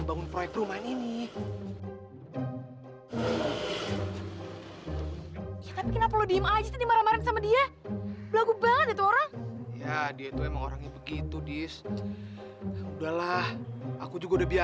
sampai jumpa di video selanjutnya